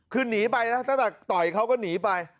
คือหนีไปนะตั้งแต่ต่อยเขาก็หนีไป